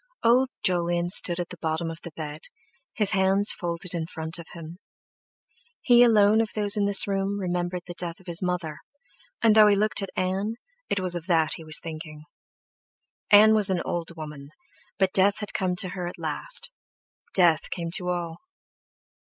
Old Jolyon stood at the bottom of the bed, his hands folded in front of him. He alone of those in the room remembered the death of his mother, and though he looked at Ann, it was of that he was thinking. Ann was an old woman, but death had come to her at last—death came to all!